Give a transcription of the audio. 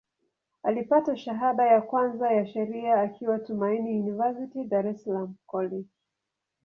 Alipata shahada ya kwanza ya Sheria akiwa Tumaini University, Dar es Salaam College.